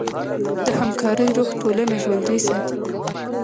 د همکارۍ روح ټولنه ژوندۍ ساتي.